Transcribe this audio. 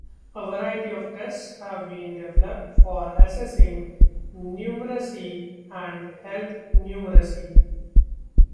A variety of tests have been developed for assessing numeracy and health numeracy.